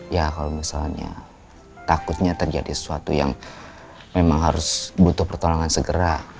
ya kalau misalnya takutnya terjadi sesuatu yang memang harus butuh pertolongan segera